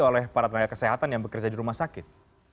oleh para tenaga kesehatan yang bekerja di rumah sakit